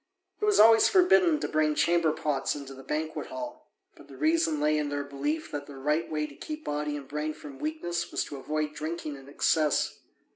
It was always forbidden to bring chamber pots into the banquet hall, but the reason lay in their belief that the right way to keep body and brain from weakness was to avoid drinking in excess.